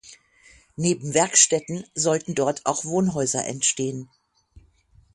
Neben Werkstätten sollten dort auch Wohnhäuser entstehen.